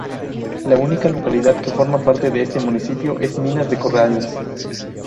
La única localidad que forma parte de este municipio es Minas de Corrales.